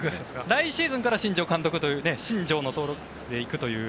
来シーズンから新庄監督という新庄の登録で行くという。